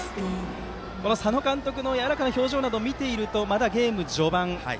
この佐野監督のやわらかな表情を見ているとまだゲーム序盤。